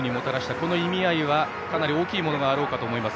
この意味合いはかなり大きなものがあろうかと思います。